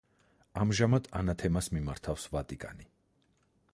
ამჟამად ანათემას მიმართავს ვატიკანი.